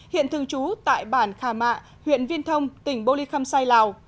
hiện thường trú tại bản khà mạ huyện viên thông tỉnh bô lý khâm sai lào